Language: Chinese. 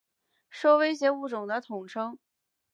受威胁物种的统称。